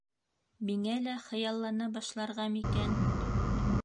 Миңә лә хыяллана башларға микән?